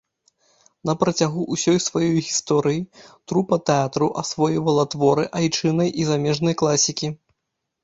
На працягу ўсёй сваёй гісторыі трупа тэатру асвойвала творы айчыннай і замежнай класікі.